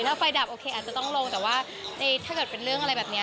ถ้าไฟดับโอเคอาจจะต้องลงแต่ว่าถ้าเกิดเป็นเรื่องอะไรแบบนี้